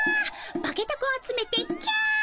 バケタクを集めてキャ！